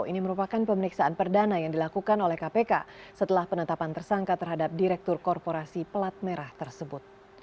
ini merupakan pemeriksaan perdana yang dilakukan oleh kpk setelah penetapan tersangka terhadap direktur korporasi pelat merah tersebut